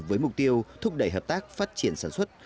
với mục tiêu thúc đẩy hợp tác phát triển sản xuất